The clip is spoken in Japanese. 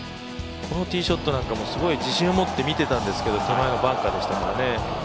このティーショットなんかも自信を持ってみてたんですけど手前のバンカーでしたからね。